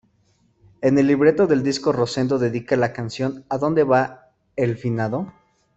En el libreto del disco Rosendo dedica la canción "¿A dónde va el finado?